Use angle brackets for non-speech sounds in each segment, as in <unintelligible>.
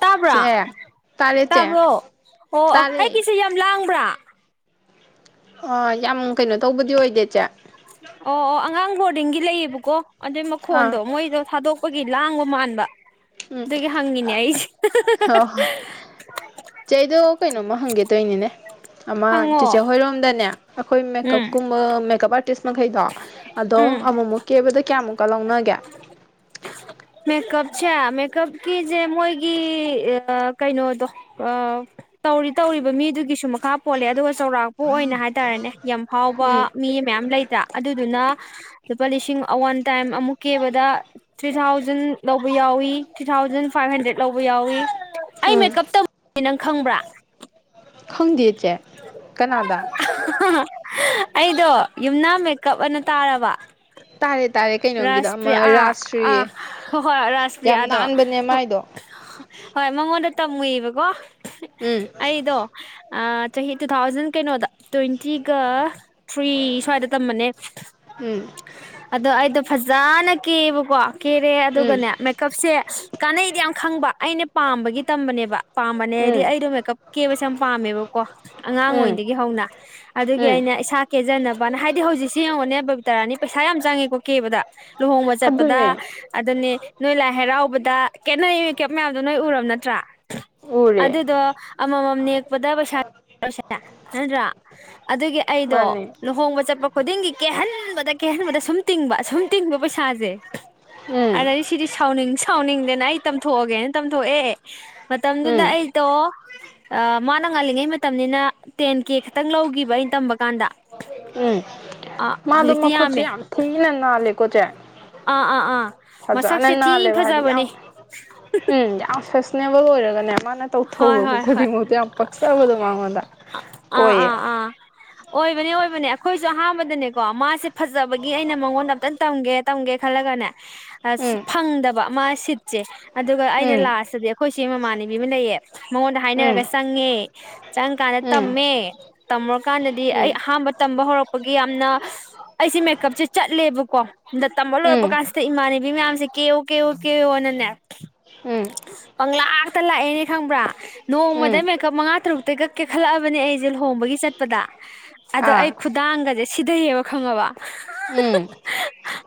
ꯇꯥꯕ꯭ꯔꯥ ꯆꯦ ꯇꯥꯔꯦ ꯆꯦ ꯇꯥꯕ꯭ꯔꯣ ꯑꯣ ꯇꯥꯔꯦ ꯑꯩꯒꯤꯁꯦ ꯌꯥꯝ ꯂꯥꯡꯕ ꯄ꯭ꯔꯥ ꯑꯣ ꯌꯥꯝ ꯀꯩꯅꯣ ꯇꯧꯕꯗꯤ ꯑꯣꯏꯗꯦ ꯏꯆꯦ ꯑꯣ ꯑꯣ ꯑꯉꯥꯡ ꯕꯣꯔꯗꯤꯡꯒꯤ ꯂꯩꯌꯦꯕꯀꯣ ꯑꯗꯨꯢ ꯑꯥ ꯃꯈꯣꯟꯗꯣ ꯃꯣꯏꯗꯣ ꯊꯥꯗꯣꯛ ꯑꯩꯈꯣꯏꯒꯤ ꯂꯥꯡꯕ ꯃꯥꯟꯕ ꯎꯝ ꯑꯗꯨꯒꯤ ꯍꯪꯉꯤꯅꯦ ꯑꯩꯁꯦ ꯍꯣꯏ ꯆꯦꯗꯣ ꯀꯩꯅꯣꯝꯃ ꯍꯪꯒꯦ ꯇꯣꯏꯅꯤꯅꯦ ꯑꯃ ꯍꯪꯉꯣ ꯆꯤꯆꯦ ꯍꯣꯏꯔꯣꯝꯗꯅꯦ ꯑꯩꯈꯣꯏ ꯎꯝ ꯃꯦꯀꯞꯀꯨꯝꯕ ꯃꯦꯀꯞ ꯑꯥꯔ ꯇꯤꯁ ꯃꯈꯩꯗꯣ ꯑꯗꯣ ꯎꯝ ꯑꯃꯨꯛ ꯑꯃꯨꯛ ꯀꯦꯕꯗ ꯀꯌꯥꯃꯨꯛꯀ ꯂꯧꯅꯒꯦ ꯁꯦ ꯃꯦꯀꯞꯀꯤꯁꯦ ꯃꯣꯏꯒꯤ ꯀꯩꯅꯣꯗꯣ ꯇꯧꯔꯤ ꯇꯧꯔꯤꯕ ꯃꯤꯗꯨꯒꯤꯁꯨ ꯃꯈꯥ ꯄꯣꯜꯂꯦ ꯑꯗꯨꯒ ꯆꯥꯎꯔꯥꯛꯄꯨ ꯑꯣꯏꯅ ꯍꯥꯏꯇꯥꯔꯦꯅꯦ ꯎꯝ ꯌꯥꯝꯐꯥꯎꯕ ꯃꯤ ꯃꯌꯥꯝ ꯂꯩꯇ꯭ꯔꯥ ꯑꯗꯨꯗꯨꯅ ꯂꯨꯄꯥ ꯂꯤꯁꯤꯡ ꯑꯋꯥꯟ ꯇꯥꯏꯝ ꯑꯃꯨꯛ ꯀꯦꯕꯗ ꯊ꯭ꯔꯤ ꯊꯥꯎꯖꯟ ꯂꯧꯕ ꯌꯥꯎꯏꯤ ꯊ꯭ꯔꯤ ꯊꯥꯎꯖꯟ ꯐꯥꯏꯚ ꯍꯟꯗ꯭ꯔꯦꯠ ꯂꯧꯕ ꯌꯥꯎꯋꯤ ꯑꯩ ꯎꯝ ꯃꯦꯀꯞ ꯇꯝ ꯅꯪ ꯈꯪꯕ꯭ꯔꯥ ꯈꯪꯗꯦ ꯆꯦ ꯀꯅꯥꯗ ꯑꯩꯗꯣ ꯌꯨꯝꯅꯥꯝ ꯃꯦꯀꯞ ꯑꯅ ꯇꯥꯔꯕ ꯇꯥꯔꯦ ꯇꯥꯔꯦ ꯀꯩꯅꯣꯒꯤꯗ ꯔꯥꯁꯄ꯭ꯔꯤꯌꯥ ꯑꯃ ꯑꯥ ꯑ ꯔꯥꯖꯁ꯭ꯔꯤ ꯍꯣ ꯍꯣꯏ ꯌꯥꯝ ꯔꯥꯁꯄ꯭ꯔꯤꯌꯥꯗꯣ ꯅꯥꯟꯕꯅꯦ ꯃꯥꯏꯗꯣ ꯍꯣꯏ ꯃꯉꯣꯟꯗ ꯇꯃꯨꯏꯕꯀꯣ ꯎꯝ ꯆꯍꯤ ꯇꯨ ꯊꯥꯎꯖꯟ ꯀꯩꯅꯣꯗ ꯇ꯭ꯋꯦꯟ ꯇꯤꯒ ꯇ꯭ꯔꯤ ꯁ꯭ꯋꯥꯏꯗ ꯇꯃꯕꯅꯦ ꯎꯝ ꯑꯗ ꯑꯩꯗꯣ ꯐꯖꯅ ꯀꯦꯕꯀꯣ ꯀꯦꯔꯦ ꯎꯝ ꯑꯗꯨꯒꯅꯦ ꯃꯦꯛꯀꯞꯁꯦ ꯀꯥꯟꯅꯩꯗꯤ ꯌꯥꯝ ꯈꯪꯕ ꯑꯩꯅ ꯄꯥꯝꯕꯒꯤ ꯇꯝꯕꯅꯦꯕ ꯄꯥꯝꯕꯅꯦ ꯎꯝ ꯍꯥꯏꯗꯤ ꯑꯩꯗꯣ ꯃꯦꯀꯞ ꯀꯦꯕꯁꯦ ꯌꯥꯝ ꯄꯥꯝꯃꯦꯕꯀꯣ ꯑꯉꯥꯡ ꯎꯝ ꯑꯣꯢꯗꯒꯤ ꯍꯧꯅ ꯑꯗꯨꯒꯤ ꯎꯝ ꯑꯩꯅ ꯏꯁꯥ ꯀꯦꯖꯅꯕꯅ ꯍꯥꯏꯗꯤ ꯍꯧꯖꯤꯛꯁꯦ ꯌꯦꯡꯉꯣꯅꯦ ꯕꯕꯤꯇꯥꯔꯥꯅꯤ ꯄꯩꯁꯥ ꯌꯥꯝ ꯆꯪꯉꯦꯀꯣ ꯀꯦꯕꯗ ꯂꯨꯍꯣꯡꯕ ꯆꯠꯄꯗ ꯑꯗꯨꯅꯦ ꯑꯗꯨꯅꯦ ꯅꯣꯏ ꯂꯥꯏ ꯍꯔꯥꯎꯕꯗ ꯈꯦꯅꯩ ꯀꯩ ꯃꯌꯥꯝꯗꯣ ꯅꯣꯏ ꯎꯔꯕ ꯅꯠꯇ꯭ꯔꯥ ꯎꯔꯦ ꯑꯗꯨꯗꯣ ꯑꯃꯃꯝ ꯅꯦꯛꯄꯗ ꯄꯩꯁꯥ ꯅꯠꯇ꯭ꯔꯥ ꯑꯗꯨꯒꯤ ꯑꯩꯗꯣ ꯃꯥꯅꯦ ꯂꯨꯍꯣꯡꯕ ꯆꯠ ꯆꯠꯄ ꯈꯨꯗꯤꯡꯒꯤ ꯀꯦꯍꯟꯕꯗ ꯀꯦꯍꯟꯕꯗ ꯁꯨꯝ ꯇꯤꯡꯕꯁꯨꯝ ꯇꯤꯡꯕ ꯄꯩꯁꯥꯁꯦ ꯎꯝ ꯑꯗꯗꯤ ꯁꯤꯗꯤ ꯁꯥꯎꯅꯤꯡ ꯁꯥꯎꯅꯤꯡꯗꯥꯅ ꯑꯩ ꯇꯝꯊꯣꯛꯑꯒꯦꯅ ꯇꯝꯊꯣꯛꯑꯦ ꯃꯇꯝꯗꯨꯗ ꯎꯝ ꯑꯩꯗꯣ ꯑꯥ ꯃꯥꯅ ꯉꯜꯂꯤꯉꯩ ꯃꯇꯝ ꯇꯝꯅꯤꯅ ꯇꯦꯟ ꯀꯦ ꯈꯛꯇꯪ ꯂꯧꯒꯤꯕ ꯑꯩ ꯇꯝꯕ ꯀꯥꯟꯗ ꯎꯝ ꯑꯥ ꯃꯥꯗꯣ ꯍꯧꯖꯤꯛꯇꯤ ꯃꯈꯨꯠꯁꯨ ꯌꯥꯝꯃꯦ ꯌꯥꯝ ꯊꯤꯅ ꯅꯥꯜꯂꯦꯀꯣ ꯆꯦ ꯑꯥ ꯑꯥ ꯑꯥ ꯐꯖꯅ ꯃꯁꯛꯁꯦ ꯊꯤ ꯅꯥꯜꯂꯦꯕ ꯍꯥꯏꯗꯤ ꯌꯥꯝ ꯐꯖꯕꯅꯦ ꯎꯝ ꯌꯥꯝ ꯑꯦꯅꯦꯕꯜ ꯑꯣꯏꯔꯒꯅꯦ ꯃꯥꯅ ꯍꯣꯏ ꯇꯧꯊꯣꯛꯔꯛꯄ ꯍꯣꯏ ꯍꯣꯏ ꯈꯨꯗꯤꯡꯃꯛꯇ ꯌꯥꯝ ꯄꯛꯆꯕꯗꯣ ꯃꯉꯣꯟꯗ ꯑꯥ ꯑꯣꯏꯌꯦ ꯑꯥ ꯑꯥ ꯑꯣꯏꯕꯅꯦ ꯑꯣꯏꯕꯅꯦ ꯑꯩꯈꯣꯏꯁꯨ ꯑꯍꯥꯟꯕꯗꯅꯦꯀꯣ ꯃꯥꯁꯦ ꯐꯖꯕꯒꯤ ꯑꯩꯅ ꯃꯉꯣꯟꯗ ꯑꯝꯇꯪ ꯇꯝꯒꯦ ꯇꯝꯒꯦ ꯈꯜꯂꯒꯅꯦ ꯑꯁ ꯎꯝ ꯐꯪꯗꯕ ꯃꯥꯁꯤꯠꯁꯦ ꯑꯗꯨꯒ ꯑꯩꯅ ꯎꯝ ꯂꯥꯁꯇꯗꯤ ꯈꯣꯏꯆꯦ ꯃꯃꯥꯟꯅꯕꯤ ꯕꯤ ꯑꯃꯥ ꯂꯩꯏꯌꯦ ꯃꯉꯣꯟꯗ ꯎꯝ ꯍꯥꯏꯅꯔꯒ ꯆꯪꯉꯦ ꯆꯪ ꯀꯥꯜꯂꯥ ꯇꯝꯃꯦ ꯇꯝꯃꯨꯔꯥ ꯀꯥꯟꯗꯗꯤ ꯎꯝ ꯑꯩ ꯎꯝ ꯑꯍꯥꯟꯕ ꯇꯝꯕ ꯍꯧꯔꯛꯄꯒꯤ ꯌꯥꯝꯅ ꯑꯩꯁꯦ ꯃꯦꯀꯞꯁꯦ ꯆꯠꯂꯦꯕꯀꯣꯗ ꯇꯝꯕ ꯂꯣꯏꯔꯛꯄ ꯎꯝ ꯀꯥꯟꯁꯤꯗ ꯏꯃꯥꯟꯅꯕꯤ ꯃꯌꯥꯝꯁꯦ ꯀꯦꯌꯨ ꯀꯦꯌꯨ ꯀꯦꯌꯣꯅꯅꯦ ꯎꯝ ꯄꯪꯂꯥꯛ ꯂꯛꯇ ꯂꯥꯛꯑꯦꯅꯦ ꯈꯪꯕ꯭ꯔꯥ ꯅꯣꯡꯃꯗ ꯎꯝ ꯃꯦꯀꯞ ꯃꯉꯥ ꯇꯔꯨꯛꯇꯩꯒ ꯀꯦꯀꯠꯂꯛꯑꯕꯅꯦ ꯑꯩꯁꯦ ꯂꯨꯍꯣꯡꯕꯒꯤ ꯆꯠꯄꯗ ꯑꯗꯣ ꯑꯩ ꯑꯥ ꯈꯨꯗꯥꯡꯒꯁꯦ ꯁꯤꯗꯩꯌꯦꯕ ꯈꯪꯉꯥꯕ ꯎꯝ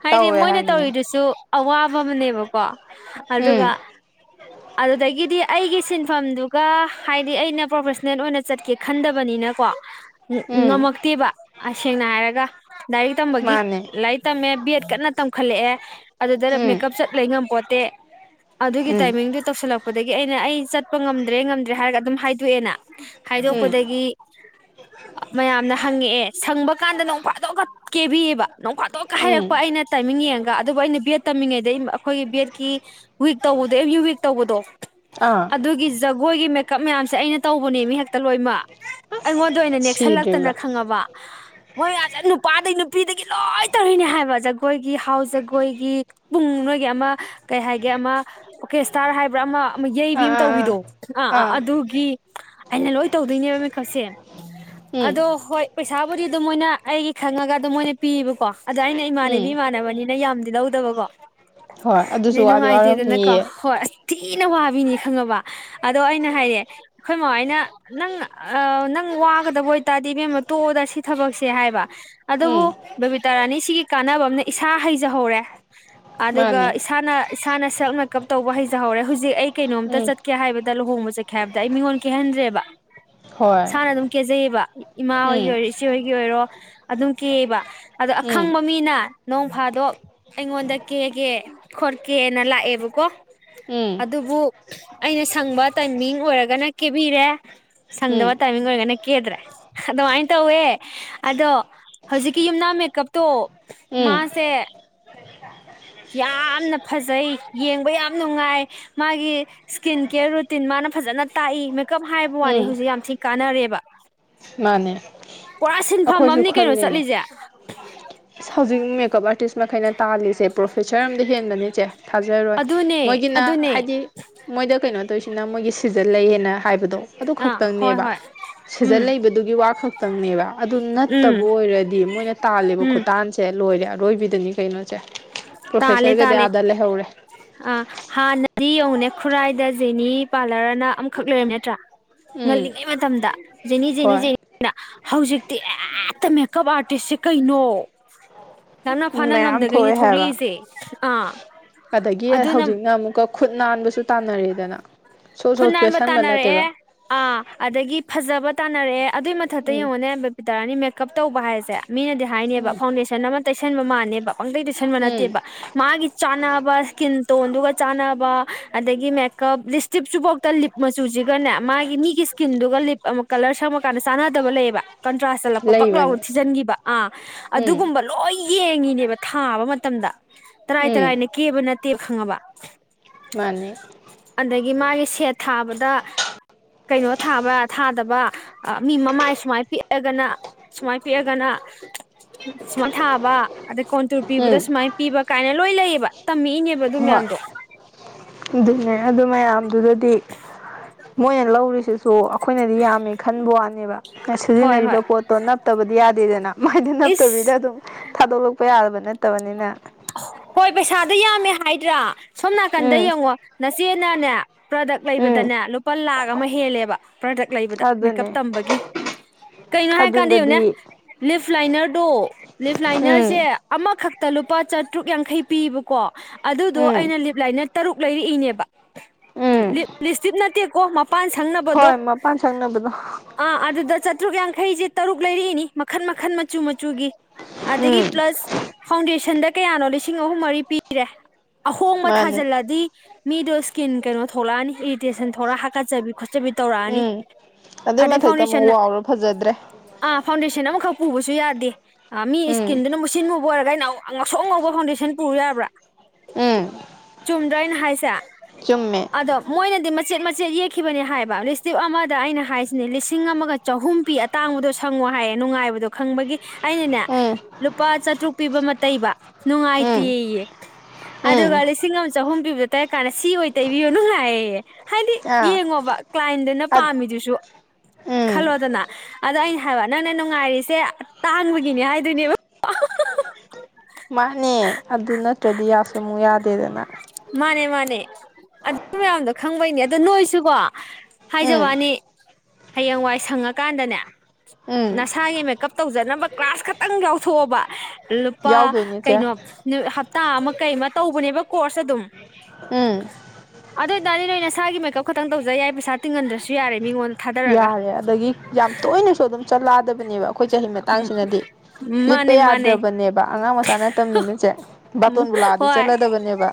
ꯍꯥꯏꯗꯤ ꯇꯧꯋꯦ ꯃꯣꯏꯅ ꯍꯥꯏꯕꯅꯦ ꯇꯧꯔꯤꯗꯨꯁꯨ ꯑꯋꯥꯕ ꯐꯕꯅꯦꯕ ꯀꯣ ꯎꯝ ꯑꯗꯨꯒ ꯑꯗꯨꯗꯒꯤ ꯍꯥꯏꯗꯤ ꯑꯩꯒꯤ ꯁꯤꯟꯐꯝꯗꯨꯒ ꯍꯥꯏꯗꯤ ꯑꯩꯅ ꯄ꯭ꯔꯣꯐꯦꯁꯅꯦꯜ ꯑꯣꯏꯅ ꯆꯠꯀꯦ ꯈꯟꯗꯕꯅꯤꯅꯀꯣ ꯎꯝ ꯉꯝꯃꯛꯇꯦꯕ ꯁꯦꯡꯅ ꯍꯥꯏꯔꯒ ꯂꯥꯏꯔꯤꯛ ꯇꯝꯕꯒꯤ ꯃꯥꯅꯦ ꯂꯥꯏꯔꯤꯛ ꯇꯝꯃꯦ ꯕꯠ ꯀꯟꯅ ꯇꯝꯈꯠꯂꯛꯑꯦ ꯑꯗꯨꯗꯅ ꯎꯝ ꯃꯦꯀꯞ ꯆꯠ ꯂꯩ ꯉꯝꯄꯣꯠꯇꯦ ꯑꯗꯨꯒꯤ ꯎꯝ ꯇꯥꯏꯃꯤꯡꯗꯨꯣ ꯇꯧꯁꯤꯜꯂꯛꯄ ꯑꯗꯒꯤ ꯑꯩꯅ ꯑꯩ ꯆꯠꯄ ꯉꯝꯗ꯭ꯔꯦ ꯉꯝꯗ꯭ꯔꯦ ꯍꯥꯏꯔꯒ ꯑꯗꯨꯝ ꯍꯥꯏꯗꯣꯛꯑꯦꯅ ꯎꯝ ꯈꯥꯏꯗꯣꯛꯄꯗꯒꯤ ꯃꯌꯥꯝꯅ ꯍꯪꯉꯛꯑꯦ ꯁꯪꯕ ꯀꯥꯟꯗ ꯅꯣꯡꯐꯥꯗꯣꯛꯑꯒ ꯀꯦꯕꯤꯌꯦꯕ ꯅꯣꯡꯐꯥꯗꯣꯛꯒ ꯎꯝ ꯍꯥꯏꯔꯛꯄ ꯑꯩꯅ ꯇꯥꯏꯃꯤꯡ ꯌꯦꯡꯉꯒ ꯑꯗꯨꯕꯨ ꯑꯩꯅ ꯕꯦꯠ ꯇꯝꯃꯤꯉꯩꯗꯩ ꯑꯩꯈꯣꯏꯒꯤ ꯕꯦꯠꯀꯤ ꯋꯤꯛ ꯇꯧꯕꯗꯣ ꯑꯦ꯭ꯌꯨ ꯋꯤꯛ ꯇꯧꯕꯗꯣ ꯑꯥ ꯑꯗꯨꯒꯤꯖ ꯃꯣꯏꯒꯤ ꯃꯦꯀꯞ ꯃꯌꯥꯝꯁꯦ ꯑꯩꯅ ꯇꯧꯕꯅꯦ ꯃꯤ ꯍꯦꯛꯇ ꯂꯣꯏꯃꯛ ꯑꯩꯉꯣꯟꯗ ꯑꯗꯨ ꯑꯣꯏꯅ ꯑꯁ ꯅꯦꯛꯁꯜꯂꯛꯇꯅ ꯁꯤꯗ꯭ꯔꯤꯕ꯭ꯔꯥ ꯈꯪꯉꯕ ꯃꯣꯏ ꯃꯁꯦ ꯅꯨꯄꯥꯗꯒꯤ ꯅꯨꯄꯤꯗꯒꯤ ꯂꯣꯏ ꯇꯧꯔꯤꯅꯦ ꯍꯥꯏꯕ ꯖꯒꯣꯏꯒꯤ ꯍꯥꯎ ꯖꯒꯣꯏꯒꯤ ꯄꯨꯡ ꯅꯣꯏꯒꯤ ꯑꯃ ꯀꯩ ꯍꯥꯏꯒꯦ ꯑꯃ ꯑꯣꯀꯦꯁꯇꯥꯔ ꯍꯥꯏꯕ꯭ꯔꯥ ꯑꯃ ꯌꯩꯕꯤ ꯑꯥ ꯑꯃ ꯑꯥ ꯑꯥ ꯇꯧꯕꯤꯗꯣ ꯑꯥ ꯑꯥ ꯑꯗꯨꯒꯤ ꯑꯩꯅ ꯂꯣꯏ ꯇꯧꯗꯣꯏꯅꯦꯕ ꯃꯤꯈꯛꯁꯦ ꯑꯗꯣ ꯎꯝ ꯍꯣꯏ ꯄꯩꯁꯥꯕꯨꯗꯤ ꯑꯗꯨꯝꯣꯏꯅ ꯑꯩꯒꯤ ꯈꯔꯉꯒ ꯑꯗꯨꯝ ꯃꯣꯏꯅ ꯄꯤꯌꯦꯕꯀꯣ ꯑꯗ ꯑꯩꯅ ꯏꯃꯥꯟꯅꯕꯤ ꯎꯝ ꯏꯃꯥꯟꯅꯕꯅꯤꯅ ꯌꯥꯝꯗꯤ ꯂꯧꯗꯕꯀꯣ ꯍꯣꯏ ꯑꯗꯨꯁꯨ ꯋꯥꯗꯤ ꯋꯥꯔꯝꯅꯤꯌꯦ <inaudible> ꯑꯩꯅ ꯋꯥꯕꯤꯅꯤ ꯈꯪꯉꯕ ꯑꯗꯣ ꯑꯩꯅ ꯍꯥꯏꯔꯦ ꯑꯩꯈꯣꯏ ꯃꯍꯣꯏꯅ ꯅꯪ ꯑ ꯅꯪ ꯋꯥꯒꯗꯕ ꯑꯣꯏꯇꯥꯔꯗꯤꯕꯦꯝꯃ ꯇꯣꯛꯑꯗ ꯁꯤ ꯊꯕꯛꯁꯦ ꯍꯥꯏꯕ ꯑꯗꯨꯕꯨ ꯎꯝ ꯕꯕꯤꯇꯥꯔꯥꯅꯤ ꯁꯤꯒꯤ ꯀꯥꯟꯅꯕ ꯑ ꯑꯃꯅ ꯏꯁꯥ ꯍꯩꯖꯍꯧꯔꯦ ꯑꯗꯨꯒ ꯃꯥꯅꯦ ꯏꯁꯥꯅ ꯏꯁꯥꯅ ꯇꯞꯅ ꯇꯧꯕ ꯍꯩꯖꯍꯔꯦ ꯍꯧꯖꯤ ꯍꯧꯖꯤꯛ ꯑꯩ ꯀꯩꯅꯣꯝꯇ ꯎꯝ ꯆꯠꯀꯦ ꯍꯥꯏꯕꯗ ꯂꯨꯍꯣꯡꯕ ꯆꯠꯀꯦ ꯍꯥꯏꯕꯗ ꯑꯩ ꯃꯤꯉꯣꯟ ꯀꯩꯍꯟꯗ꯭ꯔꯦꯕ ꯍꯣꯏ ꯁꯥꯅ ꯑꯗꯨꯝ ꯀꯦꯖꯩꯌꯦꯕ ꯎ ꯏꯃꯥ ꯑꯣꯏꯒꯤ ꯎꯝ ꯑꯣꯏꯔꯦ ꯏꯆꯦ ꯍꯣꯢꯒꯤ ꯒꯤ ꯑꯣꯏꯔꯣ ꯑꯗꯨꯝ ꯀꯦꯑꯕ ꯑꯗꯣ ꯎꯝ ꯑꯈꯪꯕ ꯃꯤꯅ ꯅꯣꯡ ꯐꯥꯗꯣ ꯑꯩꯉꯣꯟꯗ ꯀꯦꯒꯦ ꯈꯣꯠꯀꯦꯅ ꯂꯥꯛꯑꯦꯕꯀꯣ ꯎꯝ ꯑꯗꯨꯕꯨ ꯑꯩꯅ ꯁꯪꯕ ꯇꯥꯏꯃꯤꯡ ꯑꯣꯏꯔꯒꯅ ꯀꯦꯕꯤꯔꯦ ꯎꯝ ꯁꯪꯗꯕ ꯇꯥꯏꯃꯤꯡ ꯑꯣꯏꯔꯒꯅ ꯀꯦꯗ꯭ꯔꯦ ꯑꯗꯨꯃꯥꯏꯅ ꯇꯧꯋꯦ ꯑꯗꯣ ꯍꯧꯖꯤꯛꯀꯤ ꯌꯨꯝꯅꯥꯝ ꯃꯦꯀꯞꯇꯣ ꯎꯝ ꯃꯥꯁꯦ ꯌꯥꯝꯅ ꯐꯖꯩ ꯌꯦꯡꯕ ꯌꯥꯝ ꯅꯨꯡꯉꯥꯏ ꯃꯥꯒꯤ ꯏꯁꯀꯤꯟ ꯀꯦꯌꯔ ꯔꯨꯇꯤꯟ ꯃꯥꯅ ꯐꯖꯅ ꯇꯥꯛꯏ ꯃꯦꯀꯞ ꯍꯥꯏꯕ ꯋꯥꯅꯤ ꯎꯝ ꯍꯧꯖꯤꯛ ꯌꯥꯝ ꯊꯤ ꯀꯥꯟꯅꯔꯦꯕ ꯃꯥꯅꯦ ꯄꯨꯔꯥ ꯁꯤꯟꯐꯝ ꯑꯩꯈꯣꯏꯁꯨ ꯑꯃꯅꯤ ꯀꯩꯅꯣ ꯈꯜꯂꯤꯅꯦ ꯆꯠꯂꯤꯁꯦ ꯑꯁ ꯍꯧꯖꯤꯛ ꯃꯦꯀꯞ ꯑꯥꯔꯇꯤꯁ ꯃꯈꯩꯅ ꯇꯥꯜꯂꯤꯁꯦ ꯄ꯭ꯔꯣꯐꯦꯁꯔ ꯑꯝꯗ ꯍꯦꯟꯕꯅꯤꯁꯦ ꯊꯥꯖꯔꯣꯏ ꯑꯗꯨꯅꯦ ꯃꯣꯏꯒꯤꯅ ꯑꯗꯨꯅꯦ ꯍꯥꯏꯗꯤ ꯃꯣꯏꯗ ꯀꯩꯅꯣ ꯇꯧꯁꯤꯅ ꯃꯣꯏꯒꯤ ꯁꯤꯖꯜꯂꯌꯦꯅ ꯍꯥꯏꯕꯗꯣ ꯑꯗꯨ ꯑꯥ ꯍꯣꯏ ꯈꯛꯇꯪꯅꯦꯕ ꯍꯣꯏ ꯎꯝ ꯁꯤꯖꯟ ꯂꯩꯕꯗ ꯑꯃꯈꯛꯇꯪꯅꯦꯕ ꯑꯗꯨ ꯎꯝ ꯅꯠꯇꯕ ꯑꯣꯏꯔꯗꯤ ꯃꯣꯏꯅ ꯇꯥꯜꯜꯂꯤꯦꯕ ꯎꯝ ꯈꯨꯇꯥꯟꯁꯦ ꯂꯣꯏꯔꯦ ꯑꯔꯣꯏꯕꯤꯗꯅꯤ ꯀꯩꯅꯣ ꯁꯦ ꯇꯥꯜꯂꯦ ꯄ꯭ꯔꯣꯐꯦꯁꯔꯒꯗꯤ ꯇꯥꯜꯂꯦ ꯑꯥꯗ ꯂꯩꯍꯧꯔꯦ ꯑꯗꯨ ꯌꯦꯡꯉꯨꯅꯦ ꯈꯨꯔꯥꯏꯗ ꯖꯦꯅꯤ ꯄꯥꯔꯂꯔꯅ ꯑꯃꯈꯛ ꯂꯩꯔꯝꯃꯤ ꯅꯠꯇ꯭ꯔꯥ ꯎꯝ ꯉꯜꯂꯤꯉꯩ ꯃꯇꯝꯗ ꯅꯤ ꯖꯤꯅꯤ ꯍꯣꯏ ꯅꯤꯅ ꯍꯧꯖꯤꯛꯇꯤ ꯑꯦ ꯑꯠꯇ ꯃꯦꯀꯞ ꯑꯥꯔꯇꯤꯁꯁꯦ ꯀꯩꯅꯣ ꯅꯪꯅ ꯐꯥꯅ ꯃꯌꯥꯝ ꯉꯝꯗꯒꯩꯅꯦ ꯊꯣꯏ ꯍꯥꯏꯕ ꯊꯣꯛꯂꯛꯏꯁꯦ ꯑꯥ ꯑꯗꯒꯤ ꯑꯗꯨꯅ ꯍꯧꯖꯤꯛꯅ ꯑꯃꯨꯛꯀ ꯈꯨꯠ ꯅꯥꯟꯕꯁꯨ ꯇꯥꯟꯅꯔꯦꯗꯅ ꯁꯣꯠ ꯈꯨꯟ ꯁꯣꯠ ꯅꯥꯟꯕ ꯀꯦꯁꯟꯕ ꯇꯥꯅꯔꯛꯑꯦ ꯅꯠꯇꯦꯕ ꯑꯥ ꯑꯗꯒꯤ ꯐꯖꯕ ꯇꯥꯅꯔꯛꯑꯦ ꯑꯗꯨꯏ ꯃꯊꯛꯇ ꯎꯝ ꯌꯦꯡꯉꯣꯅꯦ ꯕꯄꯤ ꯇꯔꯥꯅꯤ ꯃꯦꯛ ꯀꯞ ꯇꯧꯕ ꯍꯥꯏꯁꯦ ꯃꯤꯅꯗꯤ ꯍꯥꯏꯅꯦꯕ ꯎꯝ ꯐꯥꯎꯟꯗꯦꯁꯟ ꯑꯃ ꯇꯩꯁꯟꯕ ꯃꯥꯜꯅꯦꯕ ꯄꯪꯇꯩꯩ ꯇꯩꯁꯟꯕ ꯎꯝ ꯅꯠꯇꯦꯕ ꯃꯥꯒꯤ ꯆꯥꯟꯅꯕ ꯏꯁꯀꯤꯟ ꯇꯣꯟꯗꯨꯒ ꯆꯥꯟꯅꯕ ꯑꯗꯒꯤ ꯃꯦꯀꯞ ꯇꯤꯞ ꯆꯨꯕꯥꯎꯇ ꯂꯤꯞ ꯃꯆꯨꯖꯤꯒꯅꯦ ꯃꯥꯒꯤ ꯃꯤꯒꯤ ꯏꯁꯀꯤꯟꯗꯨꯒ ꯂꯤꯞ ꯑꯃ ꯀꯂꯔ ꯁꯪꯕꯀꯥꯟꯗ ꯆꯥꯟꯅꯗꯕ ꯂꯩꯌꯦꯕ ꯀꯟꯇ꯭ꯔꯥꯁ ꯆꯠꯂꯛꯄ ꯕꯛ ꯂꯥꯎꯅ ꯂꯩꯕꯅꯦ ꯊꯤꯖꯤꯟꯈꯤꯕ ꯑꯥ ꯎꯝ ꯑꯗꯨꯒꯨꯝꯕ ꯂꯣꯏ ꯌꯦꯡꯉꯤꯅꯦꯕ ꯊꯥꯕ ꯃꯇꯝꯗ ꯇꯔꯥꯏ ꯎꯝ ꯇꯔꯥꯏꯅ ꯀꯦꯕ ꯅꯠꯇꯦ ꯈꯪꯉꯕ ꯃꯥꯅꯤ ꯑꯗꯒꯤ ꯃꯥꯒꯤ ꯁꯦꯠ ꯊꯥꯕꯗ ꯀꯩꯅꯣ ꯊꯥꯕ ꯊꯥꯗꯕ ꯃꯤ ꯃꯃꯥꯏ ꯁꯨꯃꯥꯏ ꯄꯤꯛꯑꯒꯅ ꯁꯨꯃꯥꯏ ꯄꯤꯛꯑꯒꯅ ꯁꯨꯃꯥꯏ ꯊꯥꯕ ꯑꯗ ꯀꯣꯟꯇꯨꯔ ꯄꯤꯕꯗ ꯎꯝ ꯁꯨꯃꯥꯏꯅ ꯄꯤꯕ ꯀꯥꯏꯅ ꯂꯣꯏ ꯂꯩꯌꯦꯕ ꯇꯝꯃꯛꯏꯅꯦꯕ ꯑꯗꯨ ꯍꯣꯏ ꯃꯌꯥꯝꯗꯣ ꯑꯗꯨꯅꯦ ꯑꯗꯨ ꯃꯌꯥꯝ ꯑꯗꯨꯗꯗꯤ ꯃꯣꯏꯅ ꯂꯧꯔꯤꯁꯤꯁꯨ ꯑꯩꯈꯣꯏꯅꯗꯤ ꯌꯥꯝꯃꯦ ꯈꯟꯕ ꯋꯥꯅꯦꯕ ꯍꯣꯏ ꯁꯤꯖꯤꯟꯅꯔꯤꯕ ꯍꯣꯏ ꯄꯣꯠꯇꯣ ꯅꯞꯇꯕꯗꯤ ꯌꯥꯗꯦꯗꯅ ꯃꯗꯤ ꯅꯞꯇꯕꯤꯗ ꯏꯁ ꯑꯗꯨꯝ ꯊꯥꯗꯣꯛꯂꯛꯄ ꯌꯥꯕ ꯅꯠꯇꯕꯅꯤꯅ ꯍꯣꯏ ꯄꯩꯁꯥꯗ ꯌꯥꯝꯃꯦ ꯍꯥꯏꯗ꯭ꯔꯥ ꯁꯣꯝ ꯅꯥꯀꯟꯗ ꯎꯝ ꯌꯦꯡꯉꯣ ꯅꯆꯦꯅꯅꯦ ꯄ꯭ꯔꯗꯛ ꯎꯝ ꯂꯩꯕꯗꯅꯦ ꯂꯨꯄꯥ ꯂꯥꯛ ꯑꯃꯍꯦꯂꯦꯕ ꯄ꯭ꯔꯗꯛ ꯂꯩꯕꯗ ꯃꯦꯀꯞ ꯑꯗꯨꯅꯦ ꯇꯝꯕꯒꯤ ꯀꯩꯅꯣ ꯍꯥꯏꯀꯥꯟꯗ ꯌꯦꯡꯉꯨ ꯑꯗꯨꯗꯗꯤ ꯂꯤꯞ ꯂꯥꯏꯅꯔꯗꯣ ꯂꯤꯞ ꯂꯥꯏꯅꯔꯁꯦ ꯎꯝ ꯑꯃ ꯈꯛꯇꯂꯨꯄꯥ ꯆꯥꯇ꯭ꯔꯨꯛ ꯌꯥꯡꯈꯩ ꯄꯤꯕꯀꯣ ꯑꯗꯨꯗꯣ ꯎꯝ ꯑꯩꯅ ꯂꯤꯞ ꯂꯥꯢꯅꯔ ꯇꯔꯨꯛ ꯂꯩꯔꯛꯏꯅꯦꯕ ꯑ ꯎꯝ ꯂꯤꯞ ꯂꯤꯁꯇꯤꯞ ꯅꯠꯇꯦꯀꯣ ꯃ ꯃꯄꯥꯟ ꯍꯣꯏ ꯁꯪꯅꯕꯗꯣ ꯃꯄꯥꯟ ꯁꯪꯅꯕꯗꯣ ꯑꯥ ꯑꯗꯨꯗ ꯆꯥꯇ꯭ꯔꯨꯛ ꯌꯥꯡ ꯑꯩꯩꯁꯦ ꯇꯔꯨꯛ ꯂꯩꯔꯛꯏꯅꯤ ꯃꯈꯟ ꯃꯈꯟ ꯃꯆꯨ ꯃꯆꯨꯒꯤ ꯑꯗꯒꯤ ꯎꯝ ꯄ꯭ꯂꯁ ꯐꯥꯎꯗꯦꯁꯟ ꯁꯟꯗ ꯀꯌꯥꯅꯣ ꯂꯤꯁꯤꯡ ꯑꯍꯨꯝ ꯃꯔꯤ ꯄꯤꯔꯦ ꯑꯍꯣꯡꯕ ꯃꯥꯅꯦ ꯊꯥꯖꯤꯜꯂꯗꯤ ꯃꯤꯗꯣ ꯁ꯭ꯀꯤꯟ ꯀꯩꯅꯣ ꯊꯣꯛꯂꯛꯑꯅꯤ ꯏꯔꯤꯇꯦꯁꯟ ꯊꯣꯛꯂꯛꯑ ꯍꯥꯀꯠꯆꯕꯤ ꯈꯣꯠꯆꯕꯤ ꯇꯧꯔꯛꯑꯅꯤ ꯎꯝ ꯑꯗꯨꯏ ꯑꯗꯩ ꯃꯊꯛꯇ ꯑꯃꯨꯛ ꯐꯥꯎꯟꯗꯦꯁꯟ ꯋꯥꯎꯔ ꯐꯖꯗ꯭ꯔꯦ ꯑꯥ ꯐꯥꯎꯟꯗꯦꯁꯟ ꯑꯃꯈꯛ ꯎꯕꯁꯨ ꯌꯥꯗꯦ ꯃꯤ ꯎꯝ ꯏꯁꯀꯤꯟꯗꯨꯅ ꯃꯨꯁꯤꯟꯃꯨꯕ ꯑꯣꯏꯔꯒ ꯑꯩꯅ ꯉꯧꯁꯣꯛ ꯉꯧꯕ ꯐꯥꯎꯟꯗꯦꯁꯟ ꯄꯨꯕꯥ ꯌꯥꯕ꯭ꯔꯥ ꯎꯝ ꯆꯨꯝꯗ꯭ꯔꯥ ꯑꯩꯅ ꯍꯥꯏꯁꯦ ꯆꯨꯝꯃꯦ ꯑꯗꯣ ꯃꯣꯏꯅꯗꯤ ꯃꯆꯦꯠ ꯃꯆꯦꯠ ꯌꯦꯛꯈꯤꯕꯅꯦ ꯍꯥꯏꯕ ꯂꯤꯁꯇꯤꯞ ꯑꯃꯗ ꯑꯩꯅ ꯍꯥꯏꯁꯤꯅꯦ ꯂꯤꯁꯤꯡ ꯑꯃꯒ ꯆꯍꯨꯝ ꯄꯤ ꯑꯇꯥꯡꯕꯗꯣ ꯁꯪꯉꯣ ꯍꯥꯏꯌꯦ ꯅꯨꯡꯉꯥꯏꯕꯗꯣ ꯈꯪꯕꯒꯤ ꯑꯩꯅꯅꯦ ꯎꯝ ꯂꯨꯄꯥ ꯆꯥꯇ꯭ꯔꯨꯛ ꯄꯤꯕ ꯑꯃ ꯇꯩꯕ ꯎꯝ ꯅꯨꯡꯉꯥꯏꯇꯦꯌꯦ ꯎꯝ ꯑꯗꯨꯒ ꯂꯤꯁꯤꯡ ꯑꯃ ꯆꯍꯨꯝ ꯄꯤꯕꯗ ꯇꯩꯔꯥ ꯀꯥꯟꯗ ꯁꯤ ꯑꯣꯏ ꯇꯩꯕꯤꯌꯣ ꯅꯨꯡꯉꯥꯏꯌꯦ ꯍꯥꯏꯗꯤ ꯑꯥ ꯌꯦꯡꯉꯣꯕ ꯀ꯭ꯂꯥꯏꯟꯗꯨꯅ ꯑꯠ ꯄꯥꯝꯃꯤꯗꯨꯁꯨ ꯎꯝ ꯈꯜꯂꯣꯗꯅ ꯑꯗꯣ ꯑꯩꯅ ꯍꯥꯏꯕ ꯅꯪꯅ ꯅꯨꯡꯉꯥꯏꯔꯤꯁꯦ ꯇꯥꯡꯕꯒꯤꯅꯦ ꯍꯥꯏꯗꯣꯏꯅꯦꯕ ꯃꯥꯅꯦ ꯑꯗꯨ ꯅꯠꯇ꯭ꯔꯗꯤ ꯌꯥꯁꯨ ꯑꯃꯨꯛ ꯌꯥꯗꯦꯗꯅ ꯃꯥꯅꯦ ꯃꯥꯅꯦ ꯑꯗꯨ ꯃꯌꯥꯝꯗꯣ ꯈꯪꯕꯩꯅꯦ ꯑꯗꯨ ꯅꯣꯏꯁꯨꯀꯣ ꯎꯝ ꯍꯥꯏꯖꯕ ꯋꯥꯅꯤ ꯍꯌꯦꯡꯋꯥꯏ ꯁꯪꯉꯀꯥꯟꯗꯅꯦ ꯎꯝ ꯅꯁꯥꯒꯤ ꯃꯦꯀꯞ ꯇꯧꯖꯅꯕ ꯀ꯭ꯂꯥꯁ ꯈꯛꯇꯪ ꯌꯥꯎꯊꯣꯛꯑꯣꯕ ꯂꯨꯄꯥ ꯌꯥꯎꯗꯣꯏꯅꯦ ꯆꯦ ꯀꯩꯅꯣ <unintelligible> ꯍꯞꯇꯥ ꯑꯃ ꯀꯩ ꯑꯃ ꯇꯧꯕꯅꯦꯕ ꯀꯣꯔꯁ ꯑꯗꯨꯝ ꯎꯝ ꯑꯗꯨ ꯑꯣꯏꯇꯥꯔꯗꯤ ꯅꯣꯏ ꯅꯁꯥꯒꯤ ꯃꯦꯀꯞ ꯈꯛꯇꯪ ꯇꯧꯖ ꯌꯥꯏ ꯄꯩꯁꯥ ꯇꯤꯡꯍꯟꯗ꯭ꯔꯁꯨ ꯌꯥꯔꯦ ꯃꯤꯉꯣꯟꯗ ꯊꯥꯗꯔꯒ ꯌꯥꯔꯦ ꯑꯗꯒꯤ ꯌꯥꯝ ꯇꯣꯏꯅꯁꯨ ꯑꯗꯨꯝ ꯆꯠꯂꯛꯗꯕꯅꯦꯕ ꯑꯩꯈꯣꯏ ꯆꯍꯤ ꯎꯝ ꯃꯇꯥꯡꯁꯤꯅꯗꯤ ꯂꯤꯠꯄ ꯃꯥꯅꯦ ꯃꯥꯅꯦ ꯌꯥꯗ꯭ꯔꯕꯅꯦꯕ ꯑꯉꯥꯡ ꯃꯆꯥ ꯅꯠꯇꯕꯅꯤꯅ ꯆꯦ ꯎꯝ ꯕꯥꯇꯣꯟꯕꯨ ꯂꯥꯛꯑꯗꯤ ꯍꯣꯏ ꯆꯠꯂꯗꯕꯅꯦꯕ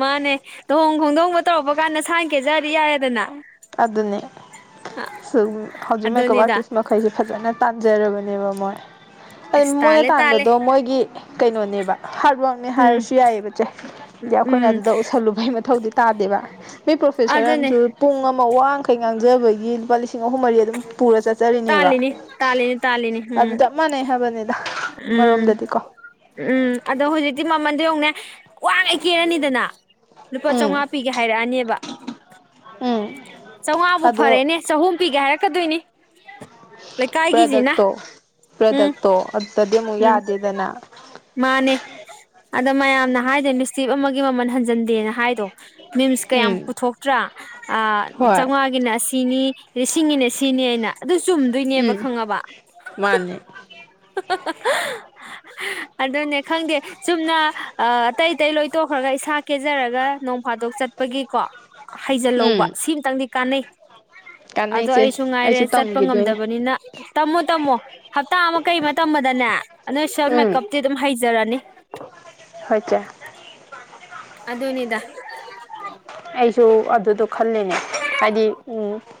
ꯃꯥꯅꯦ ꯂꯨꯍꯣꯡ ꯈꯣꯡꯗꯣꯡꯕ ꯇꯧꯔꯛꯄ ꯀꯥꯟꯗ ꯅꯁꯥꯅ ꯀꯦꯖꯔꯗꯤ ꯌꯥꯏꯔꯦꯗꯅ ꯑꯗꯨꯅꯦ ꯁꯨꯝ ꯍꯧꯖꯤꯛ ꯃꯦꯀꯞ ꯑꯗꯨꯅꯤꯗ ꯑꯥꯔꯇꯤꯁ ꯃꯈꯩꯁꯦ ꯐꯖꯅ ꯇꯥꯟꯖꯔꯕ <unintelligible> ꯃꯣꯏ ꯑ ꯑꯁ ꯃꯣꯏꯅ ꯇꯥꯜꯂꯦ ꯇꯥꯜꯂꯦ ꯇꯥꯟꯕꯗꯣ ꯃꯣꯏꯒꯤ ꯀꯩꯅꯣꯅꯦꯕ ꯍꯥꯔꯠ ꯋꯥꯔꯛꯅꯦ ꯎꯝ ꯍꯥꯏꯔꯁꯨ ꯌꯥꯏꯌꯦꯕ ꯆꯦ ꯍꯥꯏꯗꯤ ꯑꯩꯈꯣꯏꯅ ꯎꯝ ꯑꯗꯨꯗ ꯎꯁꯜꯂꯨꯕꯒꯤ ꯃꯊꯧꯗꯤ ꯇꯥꯗꯦꯕ ꯃꯤ ꯄ꯭ꯔꯣꯐꯦꯁꯔ ꯑꯗꯨꯅꯦ ꯑꯃꯁꯨ ꯄꯨꯡ ꯑꯃ ꯋꯥ ꯑꯃꯈꯛ ꯉꯥꯡꯖꯕꯒꯤ ꯂꯨꯄꯥ ꯂꯤꯁꯤꯡ ꯑꯍꯨꯝ ꯃꯔꯤ ꯑꯗꯨꯝ ꯄꯨꯔ ꯆꯠꯆꯔꯤꯅꯦꯕ ꯇꯥꯜꯂꯤꯅꯤ ꯇꯥꯜꯂꯤꯅꯤ ꯇꯥꯜꯂꯤꯅꯤ ꯎꯝ ꯑꯗꯨ ꯆꯞ ꯃꯥꯟꯅꯩ ꯍꯥꯏꯕꯅꯤꯗ ꯎꯝ ꯑꯃꯔꯣꯝꯗꯗꯤꯀꯣ ꯎꯝ ꯑꯗꯣ ꯍꯧꯖꯤꯛꯇꯤ ꯃꯃꯟꯗꯣ ꯌꯦꯡꯉꯨꯅꯦ ꯋꯥꯒꯩ ꯀꯦꯔꯅꯤꯗꯅ ꯂꯨꯄꯥ ꯎꯝ ꯆꯧꯉꯥ ꯄꯤꯒꯦ ꯍꯥꯏꯔꯛ ꯑꯅꯤ ꯋꯥ ꯎꯝ ꯆꯧꯉꯥꯕꯨ ꯑꯗꯣ ꯐꯔꯦꯅꯦ ꯆꯍꯨꯝ ꯄꯤꯒꯦ ꯍꯥꯏ ꯄ꯭ꯔꯗꯛꯇꯣ ꯎꯝ ꯄ꯭ꯔꯗꯛꯇꯣ ꯑꯗꯨꯗ ꯗꯤ ꯑꯃꯨꯛ ꯎꯝ ꯌꯥꯗꯦꯗꯅ ꯃꯥꯅꯦ ꯑꯗ ꯃꯌꯥꯝꯅ ꯍꯥꯏꯗꯣ ꯂꯤꯁꯇꯤꯞ ꯑꯃꯒꯤ ꯃꯃꯜ ꯍꯟꯖꯤꯟꯗꯦꯅ ꯍꯥꯏꯗꯣ ꯃꯤꯝꯁ ꯀꯌꯥꯝ ꯎꯝ ꯄꯨꯊꯣꯛꯇ꯭ꯔꯥ ꯑ ꯍꯣꯏ ꯆꯥꯝꯉꯥꯒꯤꯅ ꯑꯁꯤ ꯏꯅꯤ ꯂꯤꯁꯤꯡꯒꯤꯅꯦ ꯁꯤꯅꯤꯅ ꯑꯗꯨ ꯆꯨꯝꯗꯣꯏꯅꯦꯕ ꯎꯝ ꯈꯪꯉꯕ ꯃꯥꯅꯦ ꯑꯗꯨꯅꯦ ꯈꯪꯗꯦ ꯆꯨꯝꯅ ꯑ ꯑꯇꯩ ꯑꯇꯩ ꯂꯣꯏꯇꯣꯛꯈ꯭ꯔꯒ ꯏꯁꯥ ꯀꯦꯖꯔꯒ ꯅꯣꯡ ꯐꯥꯗꯣꯛ ꯆꯠꯄꯒꯤꯀꯣ ꯍꯩꯖꯤꯜꯍꯧꯕ ꯎꯝ ꯁꯤꯃꯇꯪꯗꯤ ꯀꯥꯟꯅꯩ ꯑꯗꯣ ꯀꯥꯟꯅꯩꯁꯦ ꯑꯩꯁꯨ ꯔꯦ ꯆꯠꯄ ꯇꯝꯈꯤꯗꯣꯏꯅꯦ ꯉꯝꯗꯕꯅꯤꯅ ꯇꯝꯃꯣ ꯇꯝꯃꯣ ꯍꯞꯇꯥ ꯑꯃ ꯀꯩ ꯑꯃ ꯇꯝꯕꯗꯅꯦ ꯅꯣꯏ ꯁꯦꯜ ꯎꯝ ꯃꯦꯀꯞꯇꯤ ꯑꯗꯨꯝ ꯍꯩꯖꯔꯅꯤ ꯍꯣꯏ ꯆꯦ ꯑꯗꯣꯅꯦꯗ ꯑꯩꯁꯨ ꯑꯗꯨꯗꯣ ꯈꯜꯂꯦꯅꯦ ꯍꯥꯏꯗꯤ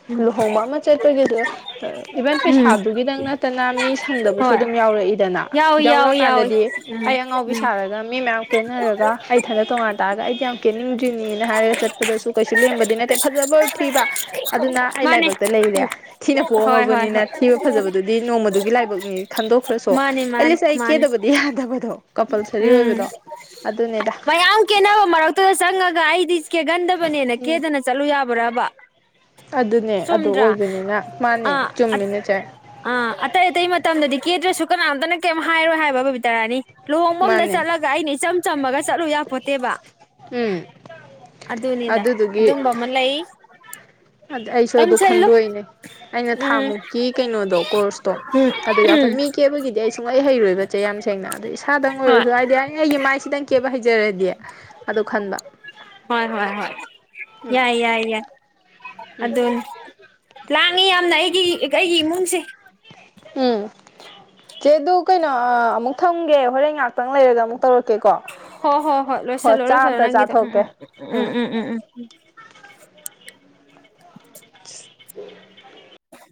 ꯎꯝ ꯂꯨꯍꯣꯡꯕ ꯑꯃ ꯆꯠꯄꯒꯤ ꯑꯗꯨ ꯏꯚꯟ ꯎꯝ ꯄꯩꯁꯥꯗꯨꯒꯤꯗꯪ ꯅꯠꯇꯅ ꯃꯤ ꯁꯪꯗꯕꯁꯨ ꯍꯣꯏ ꯑꯗꯨꯝ ꯌꯥꯎꯔꯛꯏꯗꯅ ꯌꯥꯎꯏ ꯌꯥꯎꯏ ꯌꯥꯎꯏ ꯌꯥꯎꯔꯛꯑꯀꯥꯟꯗꯗꯤ ꯎꯝ ꯑꯩ ꯑꯉꯥꯎꯕꯤ ꯎꯝ ꯁꯥꯔꯒ ꯃꯤ ꯃꯌꯥꯝ ꯀꯦꯟꯅꯔꯒ ꯑꯩ ꯊꯅ ꯇꯣꯉꯥꯟꯅ ꯇꯥꯔꯒ ꯑꯩꯗꯤ ꯌꯥꯝ ꯀꯦꯟꯅꯤꯡꯗ꯭ꯔꯤꯅꯤꯅ ꯍꯥꯏꯔꯦ ꯆꯠꯄꯗꯁꯨ ꯀꯩꯁꯨ ꯂꯦꯝꯕꯗꯤ ꯅꯠꯇꯦ ꯐꯖꯕ ꯊꯤꯕ ꯑꯗꯨꯅ ꯑꯩ ꯃꯥꯅꯦ ꯂꯥꯏꯕꯛꯇ ꯂꯩꯔꯦ ꯊꯤꯅ ꯍꯣꯏ ꯍꯣꯏ ꯄꯣꯛꯑꯝꯃꯕꯅꯤꯅ ꯍꯣꯏ ꯊꯤꯕ ꯐꯖꯕꯗꯨꯗꯤ ꯅꯣꯡꯃꯗꯨꯒꯤ ꯂꯥꯏꯕꯛꯅꯤ ꯈꯟꯗꯣꯛꯈ꯭ꯔꯁꯨ ꯃꯥꯅꯦ ꯃꯥꯅꯦ ꯑꯦꯠꯂꯤꯁ ꯑꯩ ꯃꯥꯅꯦ ꯀꯦꯗꯕꯗꯤ ꯌꯥꯗꯕꯗꯣ ꯀꯝꯄꯜꯁꯔꯤ ꯎꯝ ꯑꯣꯏꯕꯗꯣ ꯑꯗꯨꯅꯤꯗ ꯃꯌꯥꯝ ꯀꯦꯅꯕ ꯃꯔꯛꯇꯨꯗ <inaudible> ꯀꯦꯒꯟꯗꯕꯅꯦꯅ ꯀꯦꯗꯅ ꯆꯠꯂꯨ ꯌꯥ ꯕ꯭ꯔꯥꯕ ꯑꯗꯨꯅꯦ ꯑꯗꯨ ꯆꯨꯝꯗ꯭ꯔꯥ ꯑꯣꯏꯕꯅꯤꯅ ꯃꯥꯅꯦ ꯑꯥ ꯆꯨꯝꯃꯤꯅꯦ ꯆꯦ ꯑꯥ ꯑꯇꯩ ꯑꯇꯩ ꯃꯇꯝꯗꯗꯤ ꯀꯦꯗ꯭ꯔꯥꯁꯨ ꯀꯅꯥꯝꯇꯅ ꯀꯩꯝ ꯍꯥꯏꯔꯣꯏ ꯍꯥꯏꯕ ꯕꯕꯤꯇꯥꯔꯥꯅꯤ ꯂꯨꯍꯣꯡꯐꯝꯝꯗ ꯃꯥꯅꯦ ꯆꯠꯂꯒ ꯑꯩꯅ ꯏꯆꯝ ꯆꯝꯃꯒ ꯆꯠꯂꯨ ꯌꯥꯄꯣꯠꯇꯦꯕ ꯎꯝ ꯑꯗꯨꯅꯤꯗ ꯑꯗꯨꯗꯨꯒꯤ ꯑꯗꯨꯒꯝꯕ ꯑꯃ ꯂꯩ ꯑꯗꯨꯗ ꯑꯩꯁꯨ ꯑꯗꯨ ꯇꯝꯁꯤꯜꯂꯨ ꯈꯟꯗꯣꯏꯅꯦ ꯑꯩꯅ ꯊꯥ ꯎꯝ ꯃꯨꯛꯀꯤ ꯀꯩꯅꯣꯗꯣ ꯀꯣꯔꯁꯇꯣ ꯎꯝ ꯑꯗꯨ ꯎꯝ ꯌꯥꯎꯊꯪ ꯃꯤ ꯀꯦꯕꯒꯤꯗꯤ ꯑꯩ ꯁꯨꯡꯂꯩ ꯍꯩꯔꯣꯏꯕꯁꯦ ꯌꯥꯝ ꯁꯦꯡꯅ ꯑꯗꯣ ꯏꯁꯥꯗꯪ ꯍꯣꯏ ꯑꯣꯏꯔꯁꯨ ꯍꯥꯏꯗꯤ ꯑꯩ ꯑꯩꯒꯤ ꯃꯥꯏꯁꯤꯗꯪ ꯀꯦꯕ ꯍꯩꯖꯔꯗꯤ ꯑꯗꯨ ꯈꯟꯕ ꯍꯣꯏ ꯍꯣꯏ ꯍꯣꯏ ꯎꯝ ꯎꯝ <unintelligible> ꯪ ꯃꯤ ꯌꯥꯝꯅ ꯑꯩꯒꯤ ꯑꯩꯒꯤ ꯏꯃꯨꯡꯁꯦ ꯎꯝ ꯆꯦ ꯑꯗꯨ ꯀꯩꯅꯣ ꯑꯃꯨꯛ ꯊꯝꯒꯦ ꯍꯣꯔꯦꯟ ꯉꯥꯛꯇꯪ ꯂꯩꯔꯒ ꯑꯃꯨꯛ ꯇꯧꯔꯛꯀꯦꯀꯣ ꯍꯣ ꯍꯣꯏ ꯍꯣꯏ ꯂꯣꯏꯁꯤꯜꯂꯣ ꯆꯥ ꯂꯣꯏꯁꯜꯂꯣ ꯑꯝꯇ ꯅꯪꯒꯤꯗꯣ ꯎꯝ ꯆꯥꯊꯣꯛꯀꯦ ꯎꯝ ꯎꯝ ꯎꯝ ꯎꯝ ꯎꯝ ꯎꯝ ꯎꯝ <inaudible>